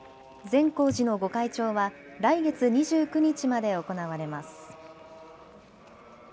善光寺の御開帳は来月２９日まで行われます。